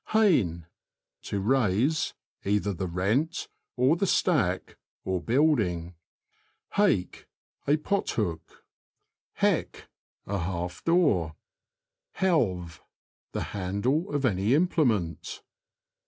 Hain. — To raise — either the rent, or the stack, or building. Hake. — A pothook. Heck. — A half door. Helve. — The handle of any implement.